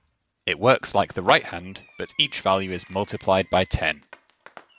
It works like the right hand, but each value is multiplied by ten.